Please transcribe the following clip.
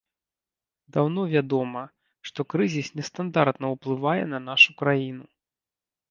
Даўно вядома, што крызіс нестандартна ўплывае на нашую краіну.